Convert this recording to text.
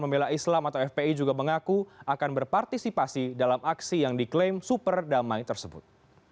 pembela islam atau fpi juga mengaku akan berpartisipasi dalam aksi yang diklaim super damai tersebut